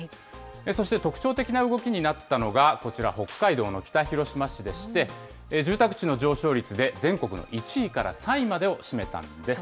そして特徴的な動きになったのがこちら、北海道の北広島市でして、住宅地の上昇率で全国の１位から３位までを占めたんです。